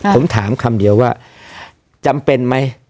ผมถามคำเดียวว่าจำเป็นไหม